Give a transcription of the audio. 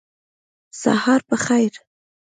سهار په خیر !